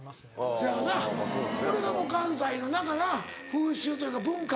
せやよなこれが関西の何かな風習というか文化。